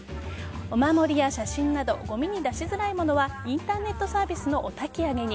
お守りや写真などごみに出しづらいものはインターネットサービスのお焚き上げに。